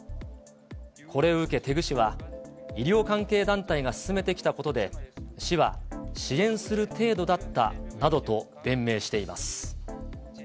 これを受け、テグ市は、医療関係団体が進めてきたことで、市は支援する程度だったなどと弁明しています。